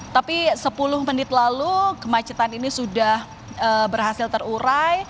tapi sepuluh menit lalu kemacetan ini sudah berhasil terurai